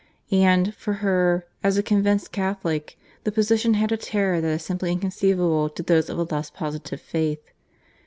And, for her, as a convinced Catholic, the position had a terror that is simply inconceivable to those of a less positive faith.